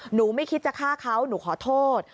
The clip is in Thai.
หนูไม่คิดจะฆ่าเขาหนูขอโทษ